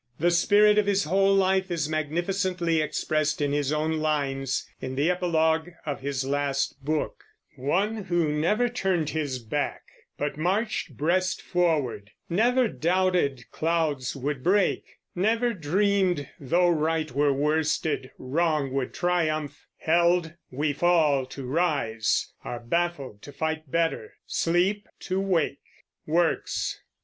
The spirit of his whole life is magnificently expressed in his own lines, in the Epilogue of his last book: One who never turned his back, but marched breast forward, Never doubted clouds would break, Never dreamed, tho' right were worsted, wrong would triumph, Held we fall to rise, are baffled to fight better, Sleep to wake. WORKS.